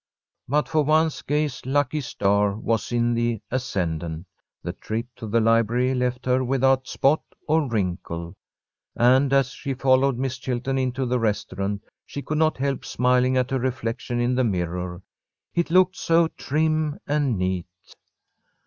But for once Gay's lucky star was in the ascendant. The trip to the library left her without spot or wrinkle, and as she followed Miss Chilton into the restaurant she could not help smiling at her reflection in the mirror. It looked so trim and neat.